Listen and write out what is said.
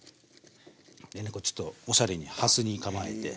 でねちょっとおしゃれにはすに構えて。